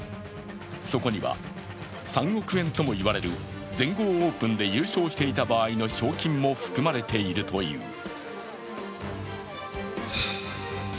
そこには３億円ともいわれる全豪オープンで優勝していた場合の賞金も含まれているという。